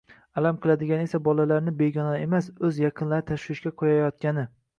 Alam qiladigani esa bolalarni begonalar emas, oʻz yaqinlari tashvishga qoʻyayotgani